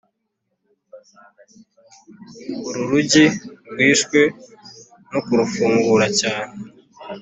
uru rugi rwishwe no kurufungura cyane